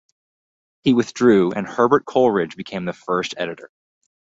He withdrew and Herbert Coleridge became the first editor.